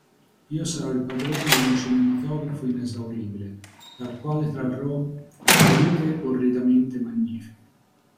Io sarò il padrone di un cinematografo inesauribile, dal quale trarrò vedute orridamente magnifiche.